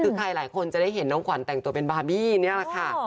คือใครหลายคนจะได้เห็นน้องขวัญแต่งตัวเป็นบาร์บี้นี่แหละค่ะ